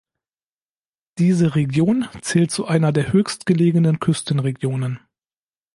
Diese Region zählt zu einer der höchst gelegenen Küstenregionen.